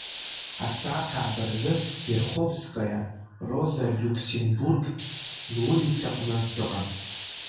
Асааҭ ааба рзы Верховскаиа, Роза Лиуксембург лулицаҟны дыҟан.